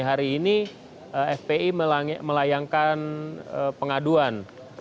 hari ini fpi melayangkan pengaduan